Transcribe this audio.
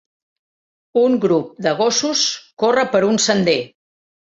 Un grup de gossos corre per un sender.